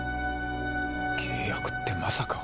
契約ってまさか。